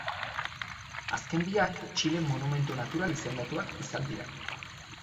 Azken biak, Txilen monumentu natural izendatuak izan dira.